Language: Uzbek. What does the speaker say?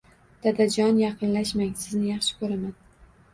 Dadajon yaqinlashmang, sizni yaxshi koʻraman